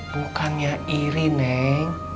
bukannya iri neng